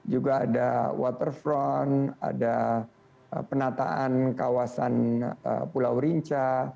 juga ada waterfront ada penataan kawasan pulau rinca